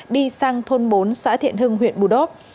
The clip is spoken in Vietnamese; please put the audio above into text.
đi sang thôn bốn xã thiện hưng huyện bù đốp